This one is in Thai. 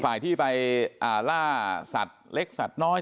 ฝ่ายที่ไปล่าสัตว์เล็กสัตว์น้อย